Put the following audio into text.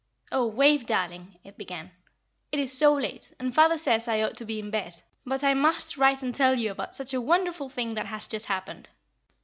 "Oh, Wave, darling," it began, "it is so late, and father says I ought to be in bed; but I must write and tell you about such a wonderful thing that has just happened.